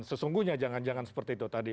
sesungguhnya jangan jangan seperti itu tadi